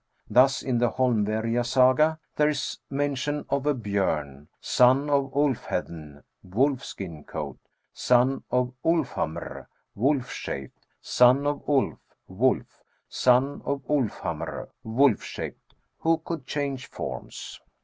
Thus in the Holmverja Saga, there is mention of aBjom, son of Ulfhe^n, wolf skin coat, son of Ulfhamr, wolf shaped, son of Ulf, wolf, son of Ulfhamr, wolf shaped, who could change forms."